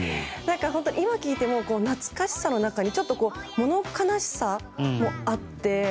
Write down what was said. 今聴いても懐かしさの中に、ちょっともの悲しさもあって。